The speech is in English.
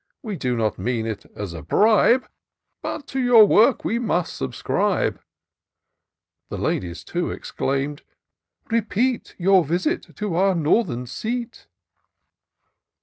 We do not mean it as a bribe, But to your work we must subscribe." The ladies too exclaim'd —" Repeat Your visit to our northern seat."